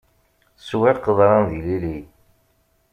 Swiɣ qeḍran d yilili.